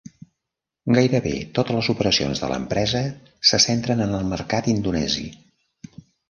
Gairebé totes les operacions de l'empresa se centren en el mercat indonesi.